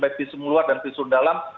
baik visum luar dan visum dalam